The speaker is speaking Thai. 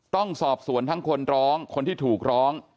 ต้องสอบสวนทั้งคนร้องคนที่ถูกร้อง